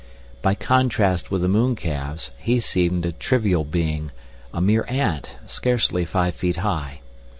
By contrast with the mooncalves he seemed a trivial being, a mere ant, scarcely five feet high.